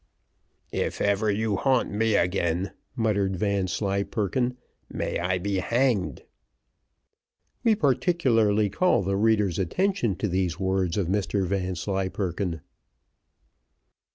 "If ever you haunt me again," muttered Vanslyperken, "may I be hanged." We particularly call the reader's attention to these words of Mr Vanslyperken.